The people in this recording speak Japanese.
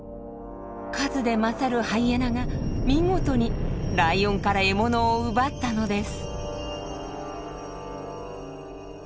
数で勝るハイエナが見事にライオンから獲物を奪ったのです。